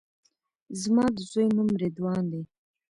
زما د زوی نوم رضوان دی